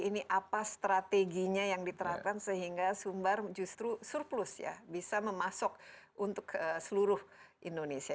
ini apa strateginya yang diterapkan sehingga sumber justru surplus ya bisa memasok untuk seluruh indonesia